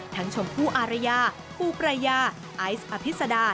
ทั้งชมภูอารยาภูปรายาไอซ์อภิษฎา